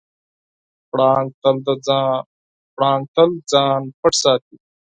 پړانګ تل د ځان پټ ساتي.